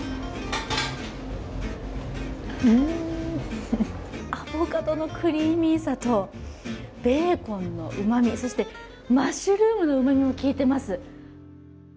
うん、アボカドのクリーミーさとベーコンのうまみそしてマッシュルームのうまみもきいてます。